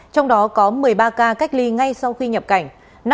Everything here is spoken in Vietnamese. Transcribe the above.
trong đó có một mươi ba ca cách ly ngay sau khi nhập cảnh